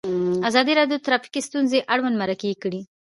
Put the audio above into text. ازادي راډیو د ټرافیکي ستونزې اړوند مرکې کړي.